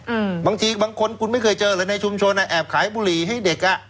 อืมบางทีบางคนคุณไม่เคยเจอเลยในชุมชนอ่ะแอบขายบุหรี่ให้เด็กอ่ะ